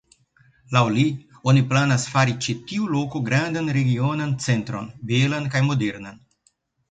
Laŭ li, oni planas fari ĉe tiu loko grandan regionan centron, belan kaj modernan.